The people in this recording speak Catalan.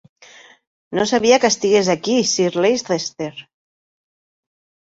No sabia que estigués aquí, Sir Leicester.